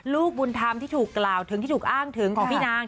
ลูกบุญธรรมที่ถูกกล่าวถึงที่ถูกอ้างถึงของพี่นาง